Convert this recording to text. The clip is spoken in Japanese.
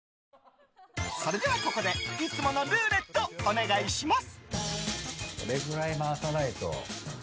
それでは、ここでいつものルーレットお願いします。